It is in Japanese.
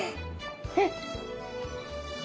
えっ！？